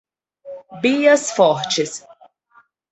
Bias Fortes